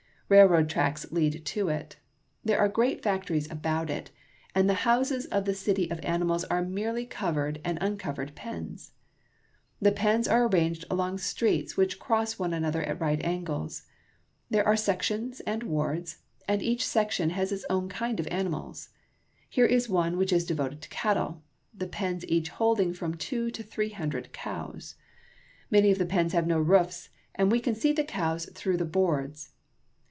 Railroad tracks lead to it, there are great factories about it, and the houses of the city of animals are merely covered and uncovered pens. THE STOCK YARDS. 23 I The pens are arranged along streets which cross one an other at right angles, There are sections and wards, and each section has its own kind of animals. Here is one which is devoted to cattle, the pens each holding from two to three hundred cows. Many of the pens have no roofs, and we can see the cows through the boards.